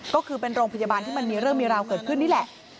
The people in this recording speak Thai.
ก็คือเป็นโรงพยาบาลที่มันมีเรื่องมีราวเกิดขึ้นนี่แหละ